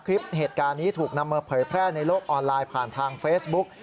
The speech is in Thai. คลิปเหตุการณ์นี้ถูกนำมาเผยแพร่ในโลกออนไลน์ผ่านทางเฟซบุ๊ก